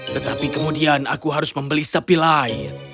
tetapi kemudian aku harus membeli sapi lain